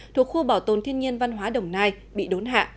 thuộc khu bảo tồn thiên nhiên văn hóa đồng nai bị đốn hạ